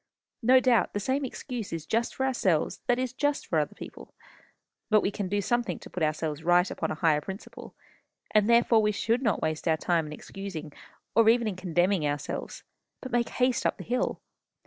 No doubt the same excuse is just for ourselves that is just for other people. But we can do something to put ourselves right upon a higher principle, and therefore we should not waste our time in excusing, or even in condemning ourselves, but make haste up the hill.